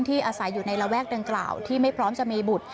อาศัยอยู่ในระแวกดังกล่าวที่ไม่พร้อมจะมีบุตร